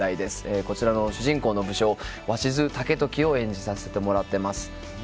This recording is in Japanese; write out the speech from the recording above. こちらの主人公の武将鷲津武時を演じさせてもらっています。